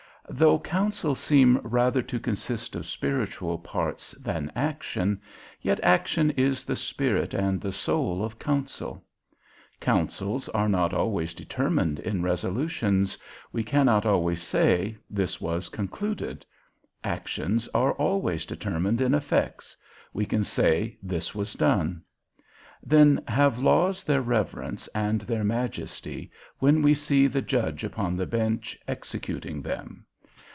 Though counsel seem rather to consist of spiritual parts than action, yet action is the spirit and the soul of counsel. Counsels are not always determined in resolutions, we cannot always say, this was concluded; actions are always determined in effects, we can say, this was done. Then have laws their reverence and their majesty, when we see the judge upon the bench executing them.